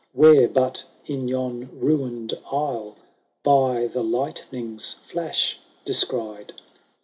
Where, but in yon ruined aisle, By the lightning's flash descried.